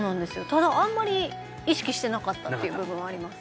ただあんまり意識してなかったっていう部分はあります